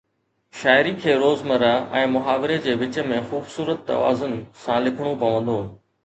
شاعري کي روزمرهه ۽ محاوري جي وچ ۾ خوبصورت توازن سان لکڻو پوندو